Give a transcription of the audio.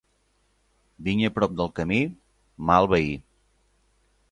Vinya prop del camí? Mal veí.